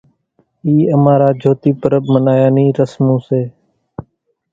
اِي امارا جھوتي پرٻ منايا نِي رسمون سي۔